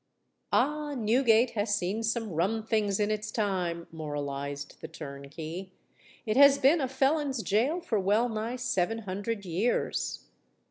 "Ah! Newgate has seen some rum things in its time," moralised the turnkey. "It has been a felon's gaol for well nigh seven hundred years."